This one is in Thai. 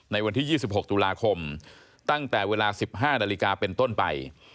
วันที่๒๖ตุลาคมตั้งแต่เวลา๑๕นาฬิกาเป็นต้นไป